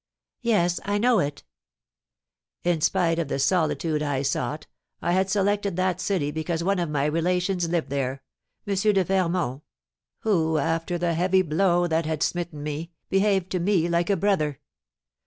"Yes, I know it." "In spite of the solitude I sought, I had selected that city because one of my relations lived there, M. de Fermont, who, after the heavy blow that had smitten me, behaved to me like a brother.